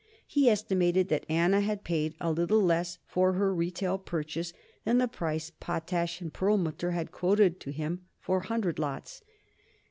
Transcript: He estimated that Anna had paid a little less for her retail purchase than the price Potash & Perlmutter had quoted to him for hundred lots.